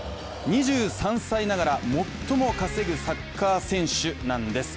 ２３歳ながら、最も稼ぐサッカー選手なんです。